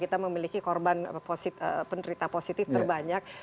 kita memiliki korban penderita positif terbanyak